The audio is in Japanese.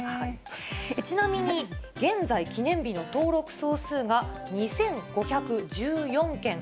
ちなみに現在、記念日の登録総数が２５１４件。